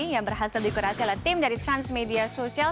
yang berhasil dikurasi oleh tim dari transmedia sosial